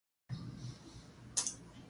He soon falls under her spell and marries her.